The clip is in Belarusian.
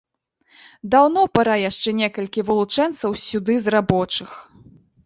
Даўно пара яшчэ некалькі вылучэнцаў сюды з рабочых!